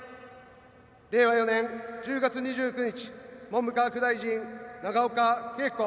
令和４年１０月２９日文部科学大臣・永岡桂子。